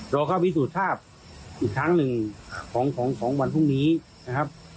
รอเข้าพิสูจน์ทราบอีกครั้งหนึ่งของวันพรุ่งนี้นะครับ